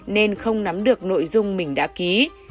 nên không nắm được nội dung mình đã ký